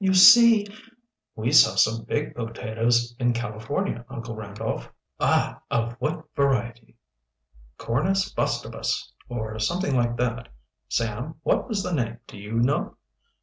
You see " "We saw some big potatoes in California, Uncle Randolph." "Ah! Of what variety?" "Cornus bustabus, or something like that. Sam, what was the name, do you know?"